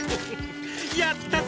やったぞ！